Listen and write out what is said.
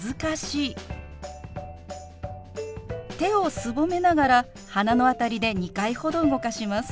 手をすぼめながら鼻の辺りで２回ほど動かします。